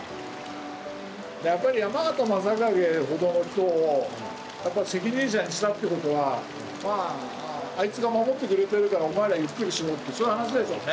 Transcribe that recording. やっぱり山県昌景ほどの人を責任者にしたってことはあいつが守ってくれてるからお前らゆっくりしろってそういう話でしょうね。